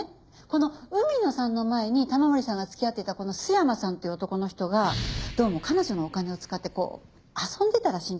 この海野さんの前に玉森さんが付き合っていたこの須山さんという男の人がどうも彼女のお金を使ってこう遊んでたらしいんですよね。